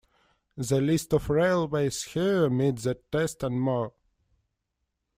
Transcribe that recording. The list of railways here meet that test and more.